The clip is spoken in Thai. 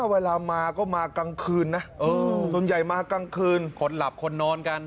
เวลามาก็มากลางคืนนะส่วนใหญ่มากลางคืนคนหลับคนนอนกัน